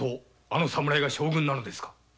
あの侍が将軍なのですか？